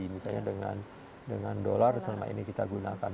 misalnya dengan dolar selama ini kita gunakan